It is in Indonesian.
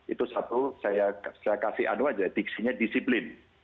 itu satu saya kasih anu aja diksinya disiplin